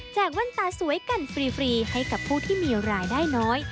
แว่นตาสวยกันฟรีให้กับผู้ที่มีรายได้น้อย